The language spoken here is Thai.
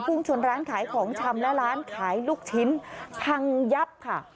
พุ่งชนร้านขายของชำและร้านขายลูกชิ้นพังยับค่ะ